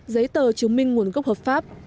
giấy tờ chứng minh nguồn gốc hợp pháp